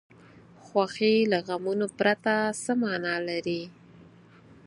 خوښي له غمونو پرته څه معنا لري.